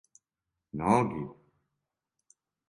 Многи...